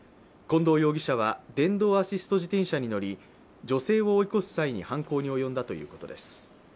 近藤容疑者は、電動アシスト自転車に乗り女性を追い越す際に犯行に及んだということです。